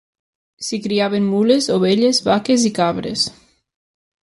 S'hi criaven mules, ovelles, vaques i cabres.